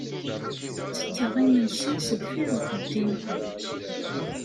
Ttetteɣ imensi sdeffir uxeddim.